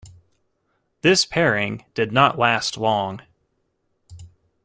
This pairing did not last long.